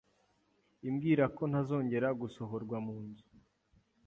imbwirako ntazongera gusohorwa munzu,